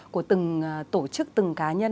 của từng tổ chức từng cá nhân